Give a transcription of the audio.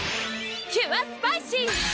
キュアスパイシー！